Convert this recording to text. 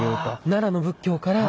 奈良の仏教から。